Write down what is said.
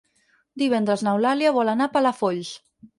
Divendres n'Eulàlia vol anar a Palafolls.